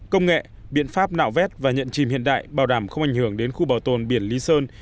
công nghệ biện pháp nạo vét và nhận chìm hiện đại bảo đảm không ảnh hưởng đến khu bảo tồn biển lý sơn